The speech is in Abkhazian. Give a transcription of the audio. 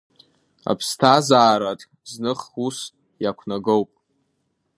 Аԥсҭазаараҿ, зных ус иақәнагоуп…